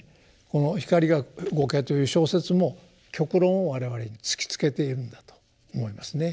この「ひかりごけ」という小説も極論を我々に突きつけているんだと思いますね。